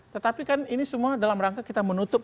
tetapi kan ini semua dalam rangka kita menutup